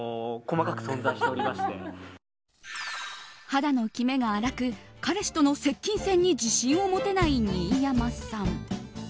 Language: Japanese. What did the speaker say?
肌のきめが粗く彼氏との接近戦に自信を持てない新山さん。